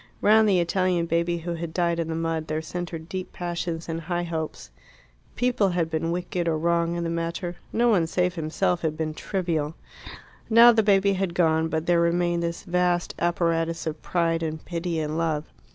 Round the Italian baby who had died in the mud there centred deep passions and high hopes. People had been wicked or wrong in the matter; no one save himself had been trivial. Now the baby had gone, but there remained this vast apparatus of pride and pity and love.